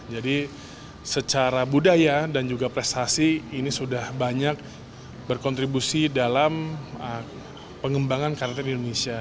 jadi secara budaya dan juga prestasi ini sudah banyak berkontribusi dalam pengembangan karate indonesia